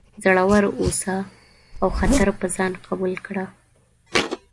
زړور اوسه او خطر په ځان قبول کړه.